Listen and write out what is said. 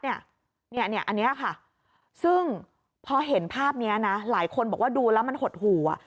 อันนี้ค่ะซึ่งพอเห็นภาพนี้นะหลายคนบอกว่าดูแล้วมันหดหู